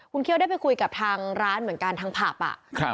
คุณเคี้ยวได้ไปคุยกับทางร้านเหมือนกันทางผับอ่ะครับ